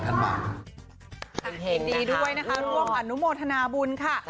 ดีด้วยนะครับหวังว่านุโมทนาบุญค่ะ